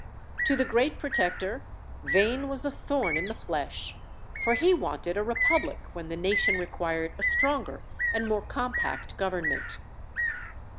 To the great Protector, Vane was a thorn in the flesh, for he wanted a republic when the nation required a stronger and more compact government.